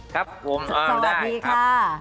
ครับสวัสดีค่ะ